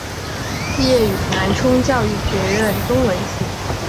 毕业于南充教育学院中文系。